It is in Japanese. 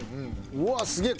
うわっすげえ！